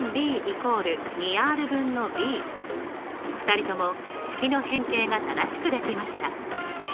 ２人とも式の変形が正しくできました。